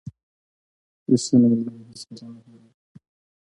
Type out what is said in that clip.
• ریښتینی ملګری هیڅکله نه هېریږي.